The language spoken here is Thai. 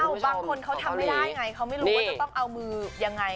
บางคนเขาทำไม่ได้ไงเขาไม่รู้ว่าจะต้องเอามือยังไง